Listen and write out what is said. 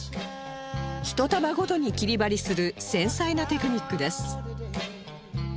ひと束ごとに切り貼りする繊細なテクニックです